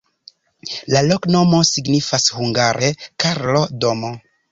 La loknomo signifas hungare: Karlo-domo.